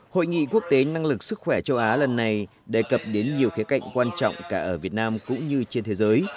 hội nghị quốc tế năng lực sức khỏe châu á lần này đề cập đến nhiều khía cạnh quan trọng cả ở việt nam cũng như trên thế giới